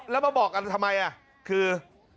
แล้วมาบอกกันทำไมคือ